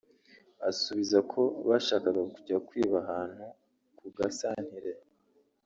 asubiza ko bashakaga kujya kwiba ahantu ku gasanteri